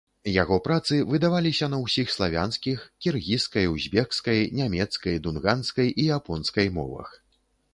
Яго працы выдаваліся на ўсіх славянскіх, кіргізскай, узбекскай, нямецкай, дунганскай і японскай мовах.